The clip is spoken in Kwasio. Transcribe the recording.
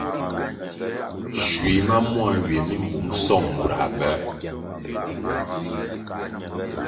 Schui ma mua nywie mi mbum song murãh bĕr.